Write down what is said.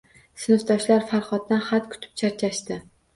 Sinfdoshlar Farhoddan xat kutib charchashdi